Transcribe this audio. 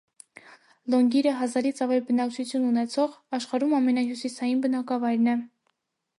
Լոնգյիրը հազարից ավել բնակչություն ունեցող աշխարհում ամենահյուսիսային բնակավայրն է։